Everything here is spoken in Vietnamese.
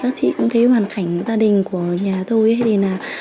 các chị cũng thấy hoàn cảnh gia đình của nhà tôi